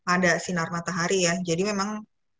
ada sinar matahari ya jadi memang